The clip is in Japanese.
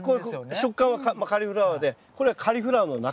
食感はカリフラワーでこれはカリフラワーの仲間です。